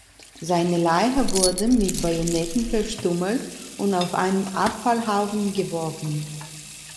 Seine Leiche wurde mit Bajonetten verstümmelt und auf einen Abfallhaufen geworfen.